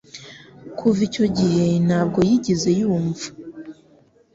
Kuva icyo gihe ntabwo yigeze yumva